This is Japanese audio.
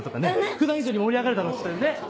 普段以上に盛り上がるだろうしねっ！